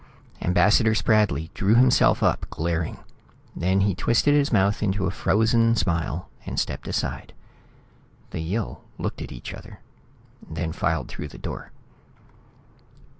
Ambassador Spradley drew himself up, glaring. Then he twisted his mouth into a frozen smile and stepped aside. The Yill looked at each other then filed through the door.